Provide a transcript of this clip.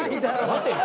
待てよ。